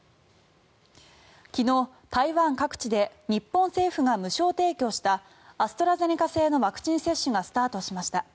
昨日、台湾各地で日本政府が無償提供したアストラゼネカ製のワクチン接種がスタートしました。